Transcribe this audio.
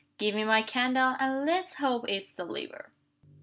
Give me my candle, and let's hope it's the liver."